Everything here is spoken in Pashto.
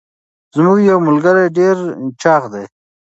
زمونږ یوه ملګري ډير چاغ دي.